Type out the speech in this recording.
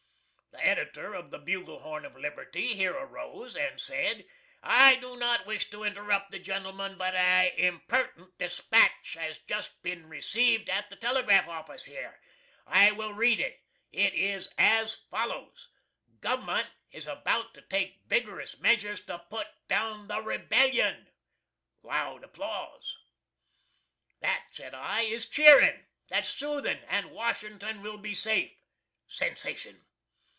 The editor of the "Bugle Horn of Liberty" here arose and said: "I do not wish to interrupt the gentleman, but a impertant despatch has just bin received at the telegraph office here. I will read it. It is as follows: GOV'MENT IS ABOUT TO TAKE VIGOROUS MEASURES TO PUT DOWN THE REBELLION! [Loud applause.] That, said I, is cheering. That's soothing. And Washington will be safe. [Sensation.